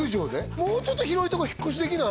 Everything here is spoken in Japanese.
もうちょっと広いとこ引っ越しできない？